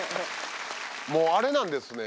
もうあれなんですね。